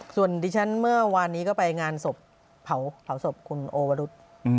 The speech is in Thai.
ส่วนดิฉันเมื่อวานนี้ก็ไปงานศพเผาศพคุณโอวรุษ